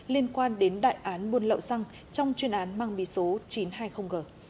liên quan đến đại án buôn lậu xăng trong chuyên án mang bí số chín